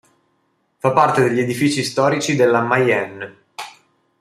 Fa parte degli edifici storici della Mayenne.